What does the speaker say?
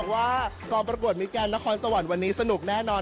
การประกวดมิแกลนาคอลสวรรค์วันนี้สนุกแน่นอน